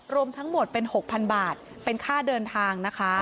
รวมทั้งหมดเป็น๖๐๐๐บาทเป็นค่าเดินทางนะคะ